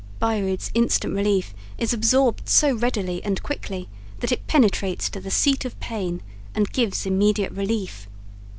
Byrud's Instant Relief is absorbed so readily an quickly that it penetrates to the seat of pain and gives immediate relief.